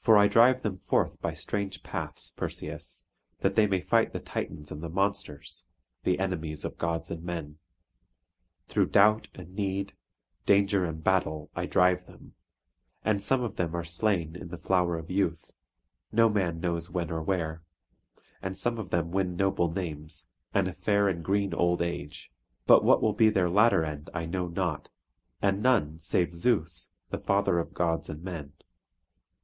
For I drive them forth by strange paths, Perseus, that they may fight the Titans and the monsters, the enemies of gods and men. Through doubt and need, danger and battle, I drive them; and some of them are slain in the flower of youth, no man knows when or where; and some of them win noble names, and a fair and green old age; but what will be their latter end I know not, and none, save Zeus, the father of gods and men.